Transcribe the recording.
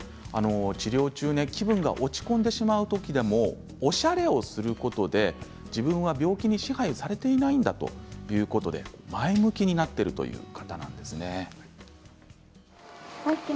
治療中、気分が落ち込んでしまう時でもおしゃれをすることで自分は病気に支配されていないんだということで前向きになっているという方なんです。